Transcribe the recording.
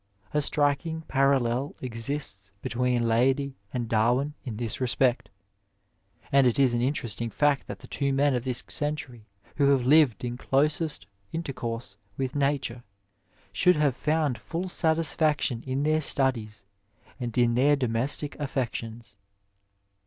A striking parallel exists between Leidy and Darwin in this respect, and it is an interesting fact that the two men of this century who have lived in closest intercourse with nature should have found full satisfaction 87 Digitized byVjOOQlC THB LEAVEN OF SCIENCE in their studies and in their domestio affeetions.